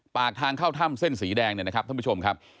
ปากทางเข้าถ้ำเส้นสีแดงเนี่ยนะครับท่านผู้ชมครับ